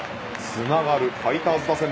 つながるファイターズ打線！